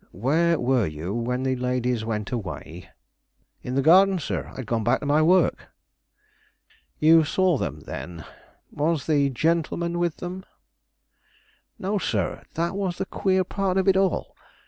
"Where were you when the ladies went away?" "In the garden, sir. I had gone back to my work." "You saw them, then. Was the gentleman with them?" "No, sir; that was the queer part of it all.